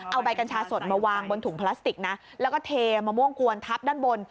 เอาใบกัญชาสดมาวางบนถุงพลาสติกนะแล้วก็เทมะม่วงกวนทับด้านบน